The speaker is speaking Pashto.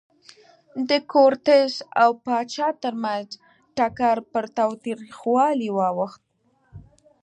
د کورتس او پاچا ترمنځ ټکر پر تاوتریخوالي واوښت.